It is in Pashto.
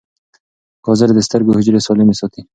ګازرې د سترګو حجرې سالمې ساتي.